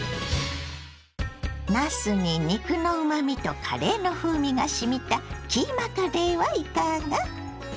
なすに肉のうまみとカレーの風味がしみたキーマカレーはいかが。